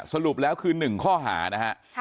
สรุปแล้วคือ๑ข้อหานะฮะ